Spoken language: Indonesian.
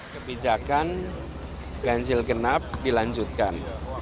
kebijakan ganjil genap dilanjutkan